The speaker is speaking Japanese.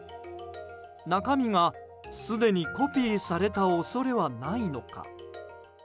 中身がすでにコピーされた恐れはないのか。